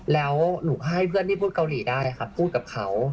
แล้วหนูก็ให้เพื่อนที่พูดเกาหลีได้ค่ะพูดกับเขา